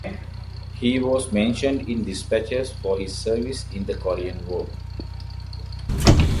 He was mentioned in dispatches for his service in the Korean War.